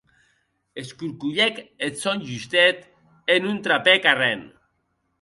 Escorcolhèc eth sòn justet e non trapèc arren.